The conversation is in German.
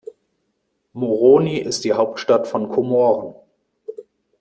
Moroni ist die Hauptstadt von Komoren.